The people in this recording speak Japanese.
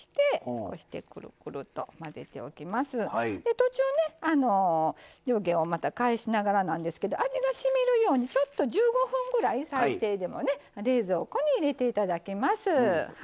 途中ね上下を返しながらなんですけど味がしみるように１５分ぐらい最低でもね冷蔵庫に入れていただきます。